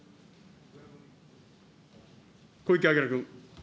小池晃君。